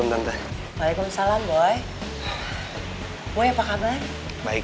tante apa kabar